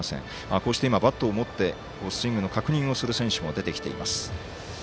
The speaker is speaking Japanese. こうして今、バットを持ってスイングの確認をする選手も出てきています。